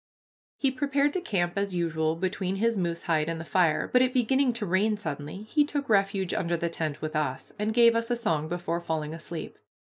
He prepared to camp as usual between his moose hide and the fire, but it beginning to rain suddenly he took refuge under the tent with us, and gave us a song before falling asleep.